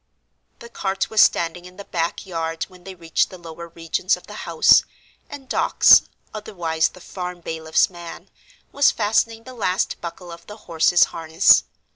The cart was standing in the back yard when they reached the lower regions of the house, and Dawkes (otherwise the farm bailiff's man) was fastening the last buckle of the horse's harness.